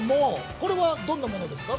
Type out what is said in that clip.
これは、どんなものですか。